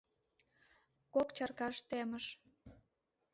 Кок чаркаш темыш.